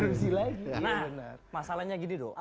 nah masalahnya gini do